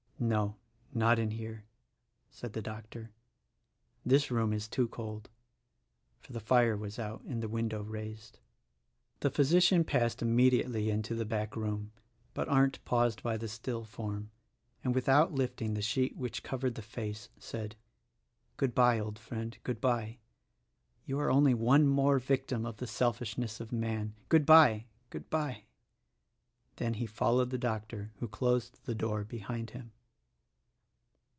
"No: not in here," said the doctor, "this room is too cold (for the fire was out and the window raised). The physician passed immediately into the back room; but Arndt paused by the still form, and without lifting the sheet which covered the face, said, "Good bye, old friend, good bye! You are only one more victim of the selfish ness of man. Good bye, good bye!" Then he followed the doctor who closed the door behind him.